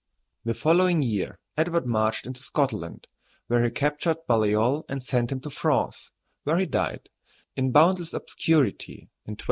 The following year Edward marched into Scotland, where he captured Baliol and sent him to France, where he died, in boundless obscurity, in 1297.